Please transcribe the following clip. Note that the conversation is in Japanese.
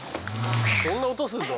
そんな音するの！